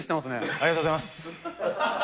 ありがとうございます。